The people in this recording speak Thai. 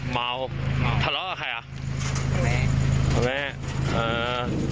เมาทะเลาะกับใครอ่ะทำไมเอ่อ